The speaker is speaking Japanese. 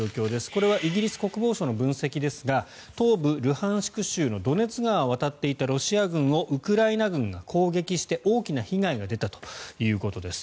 これはイギリス国防省の分析ですが東部ルハンシク州のドネツ川を渡っていたロシア軍をウクライナ軍が攻撃して大きな被害が出たということです。